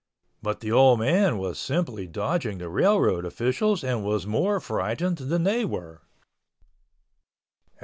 But the old man was simply dodging the railroad officials and was more frightened than they were.